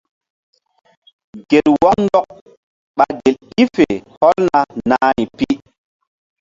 Gel wɔk ndɔk ɓa gel i fe hɔlna nahri pi.